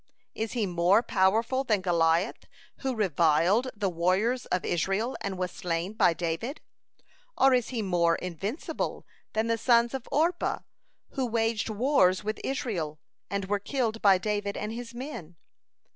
Is he more powerful than Goliath, who reviled the warriors of Israel, and was slain by David? Or is he more invincible than the sons of Orpah, who waged wars with Israel, and were killed by David and his men?